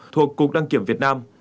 thuộc cục đăng kiểm việt nam